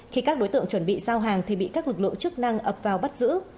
khi các đối tượng chuẩn bị giao hàng thì bị các lực lượng chức năng ập vào bắt giữ